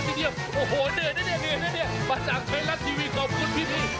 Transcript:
มันจริงเอาละผ่ายแล้วเข้าแล้ว